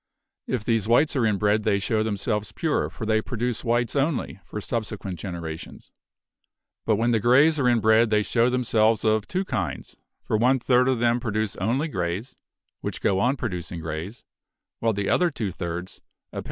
If these whites are inbred they show themselves 'pure/ for they produce whites only for subsequent generations. But when the grays are inbred they show themselves of two kinds, for one third of them produce only grays, which go on producing grays; while the other two thirds, apparently the same, produce both grays and whites.